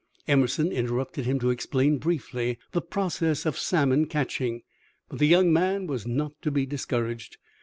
Emerson interrupted him to explain briefly the process of salmon catching, but the young man was not to be discouraged.